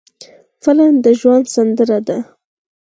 فلم د ژوند سندره ده